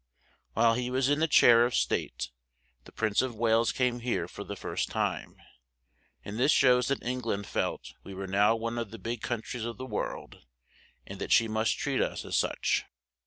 While he was in the chair of state, the Prince of Wales came here for the first time, and this shows that Eng land felt we were now one of the big coun tries of the world, and that she must treat us as such.